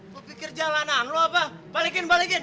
lo pikir jalanan lo apa balikin balikin